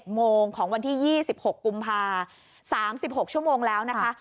โมงของวันที่๒๖กุมภา๓๖ชั่วโมงแล้วนะคะ